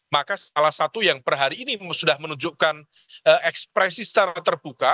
maka salah satu yang per hari ini sudah menunjukkan ekspresi secara terbuka